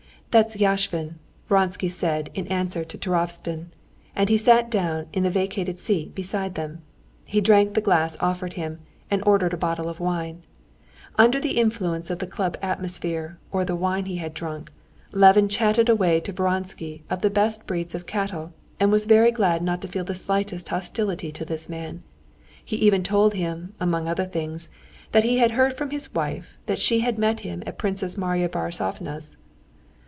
"That's Yashvin," Vronsky said in answer to Turovtsin, and he sat down in the vacated seat beside them. He drank the glass offered him, and ordered a bottle of wine. Under the influence of the club atmosphere or the wine he had drunk, Levin chatted away to Vronsky of the best breeds of cattle, and was very glad not to feel the slightest hostility to this man. He even told him, among other things, that he had heard from his wife that she had met him at Princess Marya Borissovna's.